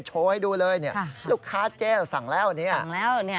โชว์ให้ดูเลยเนี่ยลูกค้าเจ๊สั่งแล้วเนี่ยสั่งแล้วเนี่ย